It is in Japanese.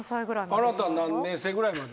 あなた何年生ぐらいまで。